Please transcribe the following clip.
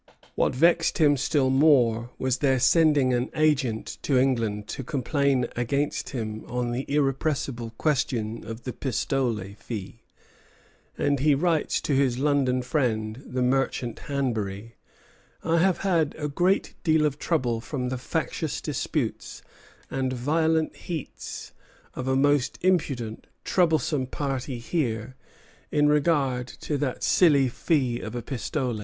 What vexed him still more was their sending an agent to England to complain against him on the irrepressible question of the pistole fee; and he writes to his London friend, the merchant Hanbury: "I have had a great deal of trouble from the factious disputes and violent heats of a most impudent, troublesome party here in regard to that silly fee of a pistole.